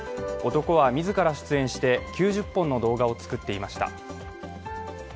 男は自ら出演して９０本の動画を作っていました。